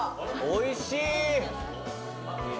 おいしい。